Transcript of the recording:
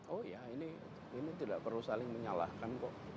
oh ya ini tidak perlu saling menyalahkan kok